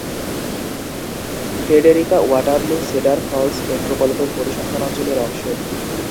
Frederica Waterloo Cedar Falls metropolitan পরিসংখ্যান অঞ্চলের অংশ।